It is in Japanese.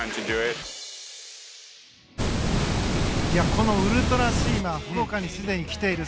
このウルトラスイマー福岡にすでに来ています。